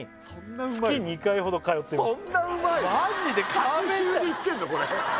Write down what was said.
隔週で行ってんのこれ？